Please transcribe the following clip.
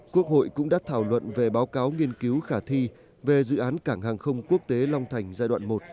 quốc hội cũng đã thảo luận về báo cáo nghiên cứu khả thi về dự án cảng hàng không quốc tế long thành giai đoạn một